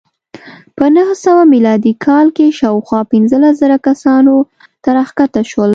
په نهه سوه میلادي کال کې شاوخوا پنځلس زره کسانو ته راښکته شول